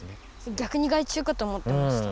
逆に害虫かと思ってました。